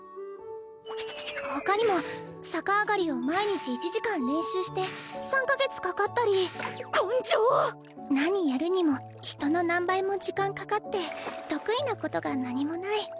ほかにも逆上がりを毎日１時間練習して何やるにも人の何倍も時間かかって得意なことが何もない。